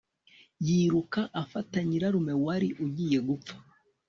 yiruka afata nyirarume wari ugiye gupfa